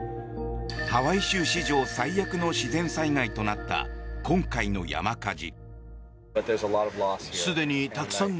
ハワイ州史上最悪の自然災害となった今回の山火事。